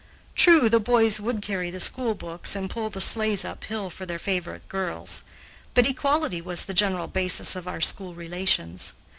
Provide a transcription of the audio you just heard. True, the boys would carry the school books and pull the sleighs up hill for their favorite girls, but equality was the general basis of our school relations.